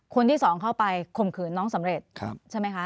คนที่สองเข้าไปข่มขืนน้องสำเร็จใช่ไหมคะ